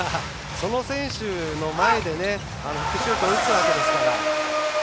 その選手の前でシュート、打つわけですから。